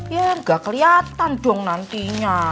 ya gak keliatan dong nantinya